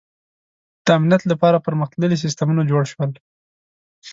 • د امنیت لپاره پرمختللي سیستمونه جوړ شول.